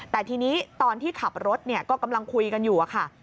แต่ทีนี้ตอนที่ขับรถก็กำลังคุยกันอยู่ค่ะ